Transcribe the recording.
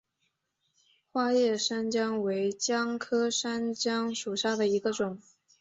花叶山姜为姜科山姜属下的一个种。